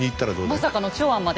まさかの長安まで？